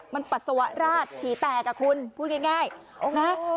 มันปัสสวะราดข็าดชีแตกกับคุณพูดง่าย